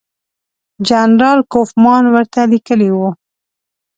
جنرال کوفمان ورته لیکلي وو.